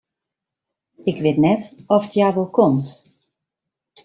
Ik wit net oft hja wol komt.